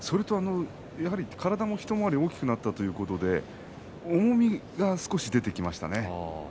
体も一回り大きくなったということで重みが少し出てきましたね。